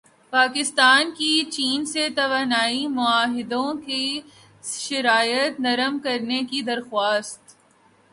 پاکستان کی چین سے توانائی معاہدوں کی شرائط نرم کرنے کی درخواست